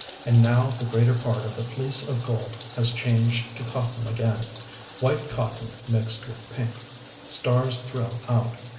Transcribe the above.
And now the greater part of the Fleece of Gold has changed to cotton again, white cotton mixed with pink.... Stars thrill out.